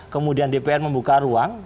kemudian dpr membuka ruang